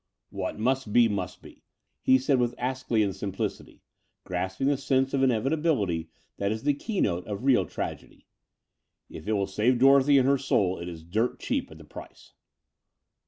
"What must be, must be," he said with iEschy lean simplicity, grasping the sense of inevitability that is the kejmote of real tragedy. *'If it will save Dorothy and her soul, it is dirt dieap at the price."